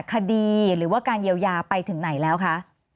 คดีหรือว่าการเยียวยาไปถึงไหนแล้วคะ